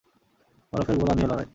বরফের গোলা নিয়ে লড়াই!